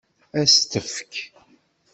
Ad s-t-tefk?